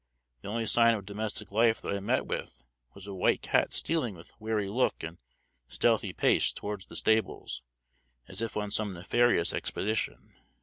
The only sign of domestic life that I met with was a white cat stealing with wary look and stealthy pace towards the stables, as if on some nefarious expedition.